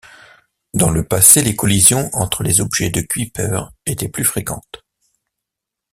Dans le passé, les collisions entre les objets de Kuiper étaient plus fréquentes.